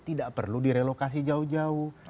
tidak perlu direlokasi jauh jauh